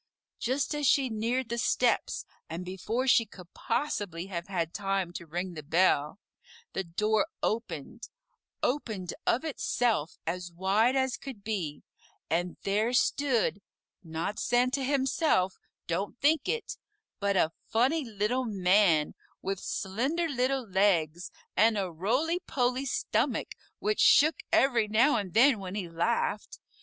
Just as she neared the steps and before she could possibly have had time to ring the bell, the door opened opened of itself as wide as could be and there stood not Santa himself don't think it but a funny Little Man with slender little legs and a roly poly stomach which shook every now and then when he laughed.